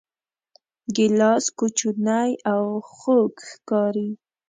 ګیلاس کوچنی او خوږ ښکاري.